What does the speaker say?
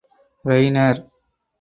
Rainier.